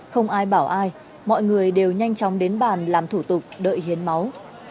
không ai bảo ai mọi người đều nhanh chóng đến bàn làm thủ tục đợi hiến máu